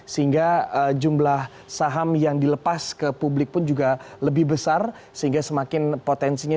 sehingga jumlah saham yang dilepas ke publik pun juga lebih besar sehingga semakin potensinya